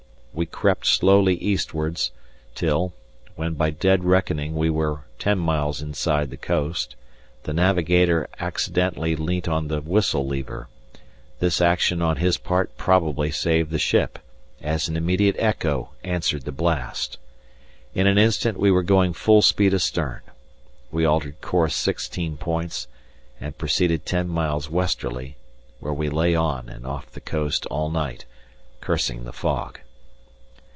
We crept slowly eastwards, till, when by dead reckoning we were ten miles inside the coast, the Navigator accidentally leant on the whistle lever; this action on his part probably saved the ship, as an immediate echo answered the blast. In an instant we were going full speed astern. We altered course sixteen points and proceeded ten miles westerly, where we lay on and off the coast all night, cursing the fog.